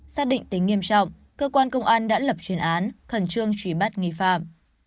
xác định tính nghiêm trọng cơ quan công an đã lập chuyên án khẩn trương truy bắt nghi phạm